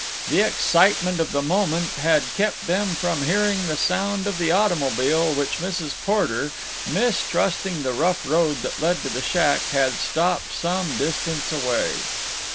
The excitement of the moment had kept them from hearing the sound of the automobile which Mrs. Porter, mistrusting the rough road that led to the shack, had stopped some distance away.